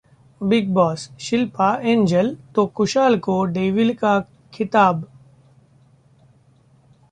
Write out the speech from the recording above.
Bigg Boss: Shilpa angel तो कुशाल को devil का खिताब